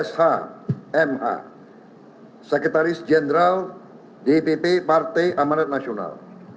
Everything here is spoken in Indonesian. sekretaris general dpp partai amazing national